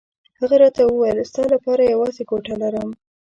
هغه راته وویل ستا لپاره یوازې کوټه لرم.